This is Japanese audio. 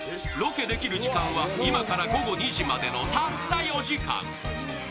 ロケできる時間は今から午後２時までのたった４時間。